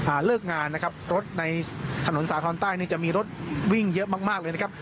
เลิกงานนะครับรถในถนนสาธรณ์ใต้นี่จะมีรถวิ่งเยอะมากมากเลยนะครับ